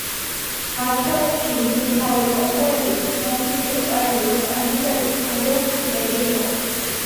არჩევნებში მისი მთავარი კონკურენტი ნაცისტური პარტიის კანდიდატი ადოლფ ჰიტლერი იყო.